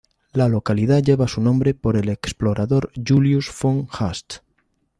La localidad lleva su nombre por el explorador Julius von Haast.